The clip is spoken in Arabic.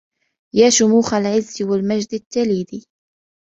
يا شموخ العز والمجد التليد